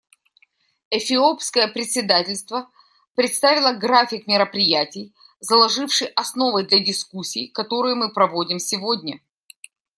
Эфиопское председательство представило график мероприятий, заложивший основы для дискуссий, которые мы проводим сегодня.